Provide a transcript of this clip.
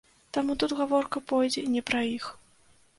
Таму тут гаворка пойдзе не пра іх.